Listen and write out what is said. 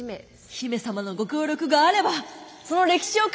姫様のご協力があればその歴史を変えられます。